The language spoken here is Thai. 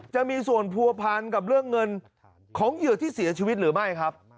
จะมีส่วนผัวพันกับเรื่องเงินของเหยื่อที่เสียชีวิตหรือไม่ครับ